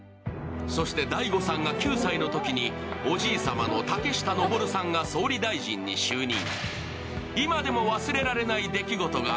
そしてＤＡＩＧＯさんが９歳のときにおじいさまの竹下登さんが総理大臣に就任。